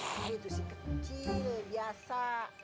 iya itu sih kecil biasa